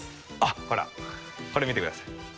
ほらこれ見てください。